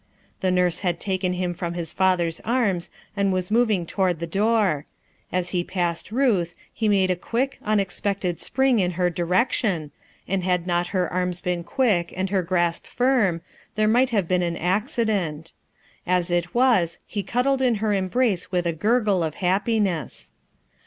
The nurse had taken him from his father's arms and was moving toward the door; as he passed Ruth, he made a quick, unexpected spring in her direction, and had not her arms been quick and her grasp firm, there might have been an acci dent. As it was, he cuddled in her embrace with a gurgle of happiness.